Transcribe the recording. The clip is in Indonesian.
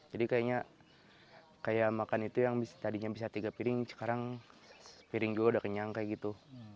jadi kayaknya makan itu yang tadinya bisa tiga piring sekarang satu piring juga udah kenyang kayak gitu